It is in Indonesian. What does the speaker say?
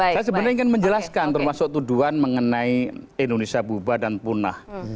saya sebenarnya ingin menjelaskan termasuk tuduhan mengenai indonesia bubar dan punah